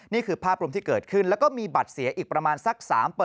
นี่คือภาพรวมที่เกิดขึ้นแล้วก็มีบัตรเสียอีกประมาณสัก๓